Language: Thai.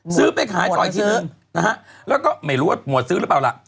ซื้อไปขายต่ออีกทีนึงนะฮะแล้วก็ไม่รู้ว่าหมวดซื้อหรือเปล่าล่ะ